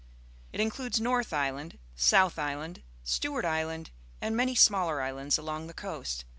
It includes North Island, South Island,^ Stewart Island, and many smaller islands along the coast.